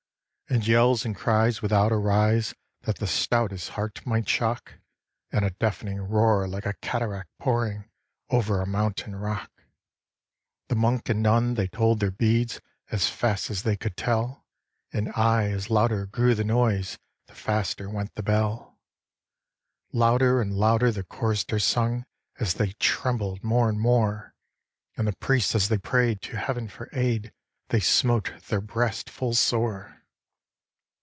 And yells and cries without arise That the stoutest heart might shock, And a deafening roar like a cataract pouring Over a mountain rock. The Monk and Nun they told their beads As fast as they could tell, And aye as louder grew the noise The faster went the bell. Louder and louder the Choristers sung As they trembled more and more, And the Priests as they pray'd to heaven for aid, They smote their breasts full sore.